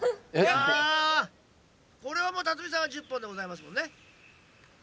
いやこれはもう辰巳さんは１０本でございますもんね。